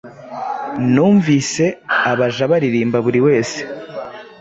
Nunvise abaja baririmbaburiwese